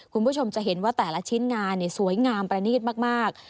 คุณผู้ชมจะเห็นว่าแต่ละชิ้นงานสวยงามประนีตมาก